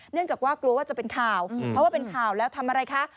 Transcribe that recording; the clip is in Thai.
เนื่องจากว่ากลัวว่าจะเป็นข่าวเพราะว่าเป็นข่าวแล้วทำอะไรคะ